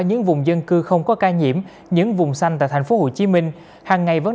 những vùng dân cư không có ca nhiễm những vùng xanh tại thành phố hồ chí minh hàng ngày vẫn